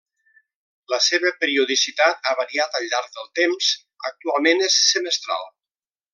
La seva periodicitat ha variat al llarg del temps, actualment és semestral.